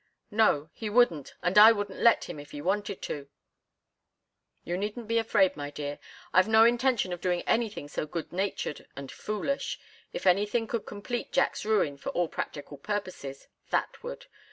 "No. He wouldn't, and I wouldn't let him if he wanted to." "You needn't be afraid, my dear. I've no intention of doing anything so good natured and foolish. If anything could complete Jack's ruin for all practical purposes, that would.